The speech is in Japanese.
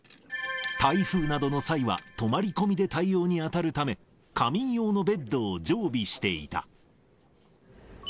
台風などの際は、泊まり込みで対応に当たるため、仮眠用のベッドを常備していた。